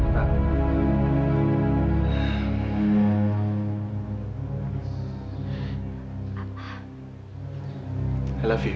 kamu mau pergi